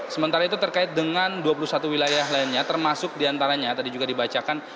sementara itu terkait dengan dua puluh satu wilayah lainnya termasuk diantaranya tadi juga dibacakan